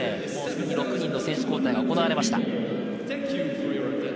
６人の選手交代が行われました。